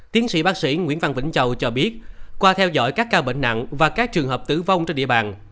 tiến sĩ bác sĩ nguyễn văn vĩnh châu cho biết qua theo dõi các ca bệnh nặng và các trường hợp tử vong trên địa bàn